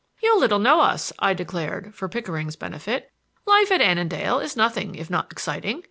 "You little know us," I declared, for Pickering's benefit. "Life at Annandale is nothing if not exciting.